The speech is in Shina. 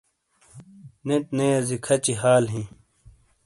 نیٹ نے یزی کھچی حال ہی۔